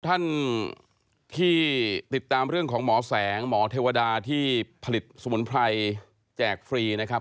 ท่านที่ติดตามเรื่องของหมอแสงหมอเทวดาที่ผลิตสมุนไพรแจกฟรีนะครับ